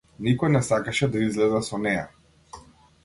Никој не сакаше да излезе со неа.